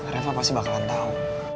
reva pasti bakalan tau